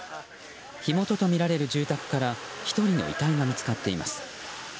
火元とみられる住宅から１人の遺体が見つかっています。